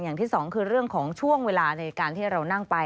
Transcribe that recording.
อย่างที่สองคือเรื่องของช่วงเวลาในการที่เรานั่งไป